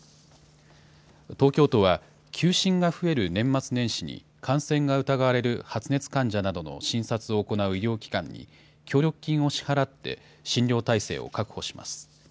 東京都は休診が増える年末年始に感染が疑われる発熱患者などの診察を行う医療機関に、協力金を支払って、診療体制を確保します。